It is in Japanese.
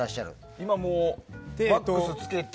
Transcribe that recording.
今もうワックスつけて。